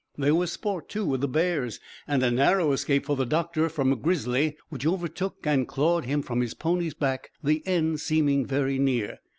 There was sport too with the bears, and a narrow escape for the doctor from a grizzly which overtook and clawed him from his pony's back, the end seeming very near.